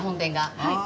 はい。